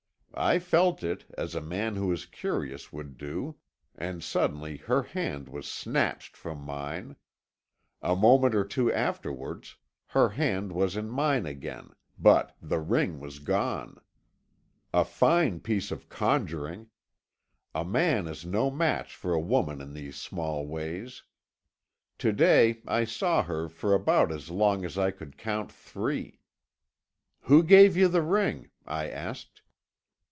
I felt it, as a man who is curious would do, and suddenly her hand was snatched from mine. A moment or two afterwards, her hand was in mine again, but the ring was gone. A fine piece of conjuring. A man is no match for a woman in these small ways. To day I saw her for about as long as I could count three. 'Who gave you the ring?' I asked.